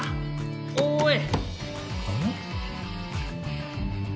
おい！